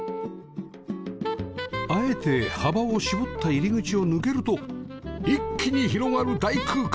あえて幅を絞った入り口を抜けると一気に広がる大空間